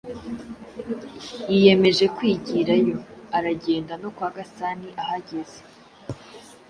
yiyemeza kwigira yo. Aragenda no kwa Gasani ahageze,